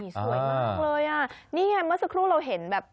สวยมากเลยอ่ะนี่ไงเมื่อสักครู่เราเห็นแบบ